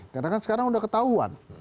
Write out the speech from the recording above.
karena kan sekarang udah ketahuan